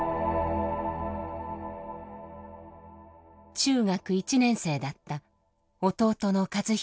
中学１年生だった弟の寿彦さん。